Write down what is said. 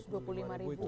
satu juta lima dua lima